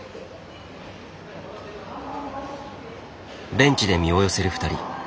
ベンチで身を寄せる２人。